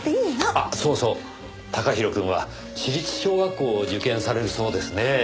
あっそうそう貴大くんは私立小学校を受験されるそうですねぇ。